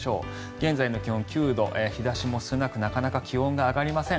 現在の気温９度日差しも少なくなかなか気温が上がりません。